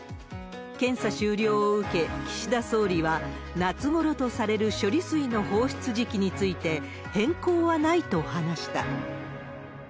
検査終了を受け、岸田総理は、夏ごろとされる処理水の放出時期について、変更はないと話した。